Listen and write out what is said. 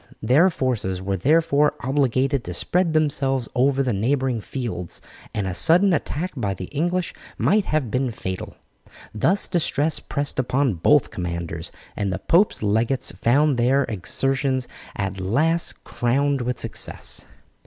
Their forces were therefore obligated to spread themselves over the neighbouring fields, and a sudden attack by the English might have been fatal. Thus distress pressed upon both commanders, and the pope's legates found their exertions at last crowned with success.